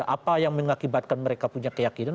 apa yang mengakibatkan mereka punya keyakinan